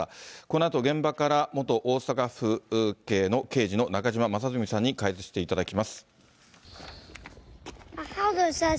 このあと、現場から元大阪府警の刑事の中島正純さんに解説していただきます。